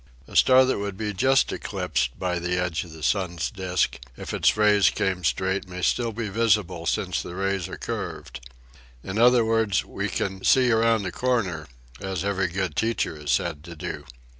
A star that would be just eclipsed by the edge of the sun's disk if its rays came straight may still be visible since the rays are curved. In other words we can " see around a corner " as every good teacher is said to do.